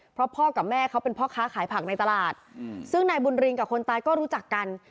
เพราะพ่อกับแม่เขาเป็นพ่อค้าขายผักในตลาดซึ่งนายบุญริงกับคนตายก็รู้จักกัน